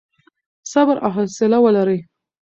صبر او حوصله ولرئ.